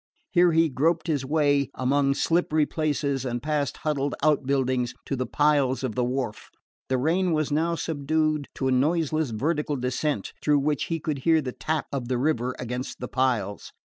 Here he groped his way among slippery places and past huddled out buildings to the piles of the wharf. The rain was now subdued to a noiseless vertical descent, through which he could hear the tap of the river against the piles.